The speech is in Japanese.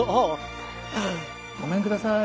ごめんください。